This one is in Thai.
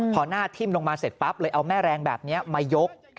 พอหน้าทิ่มลงมาเสร็จปั๊บเลยเอาแม่แรงแบบนี้มายก